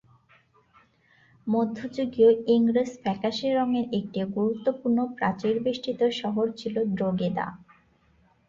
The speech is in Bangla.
মধ্যযুগীয় ইংরেজ ফ্যাকাশে রঙের একটি গুরুত্বপূর্ণ প্রাচীরবেষ্টিত শহর ছিল দ্রোগেদা।